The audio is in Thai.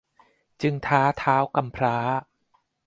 จึงท้าท้าวกำพร้า